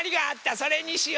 それにしよ。